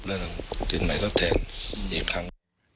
เรื่องสินไหมที่ทาง